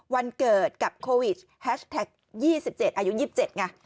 วันเกิดกับโควิดแฮชแท็ก๒๗อายุ๒๗ไง